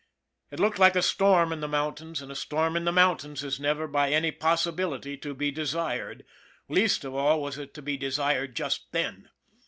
It looked like a storm in the mountains, and a storm in the mountains is never by any possibility to be desired least of all was it to be desired just then.